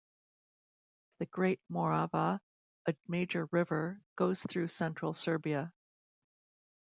The Great Morava, a major river, goes through central Serbia.